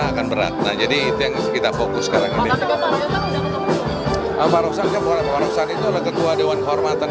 akan berat nah jadi itu yang kita fokus sekarang ini saat itu ada ketua dewan kehormatan